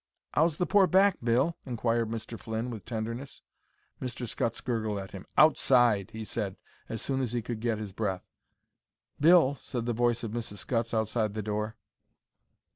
"'Ow's the pore back, Bill?" inquired Mr. Flynn, with tenderness. Mr. Scutts gurgled at him. "Outside!" he said as soon as he could get his breath. "Bill," said the voice of Mrs. Scutts, outside the door.